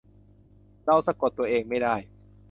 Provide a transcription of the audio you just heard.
เราสะกดตัวเองไม่ได้